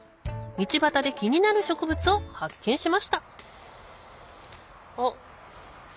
道端で気になる植物を発見しましたあっ。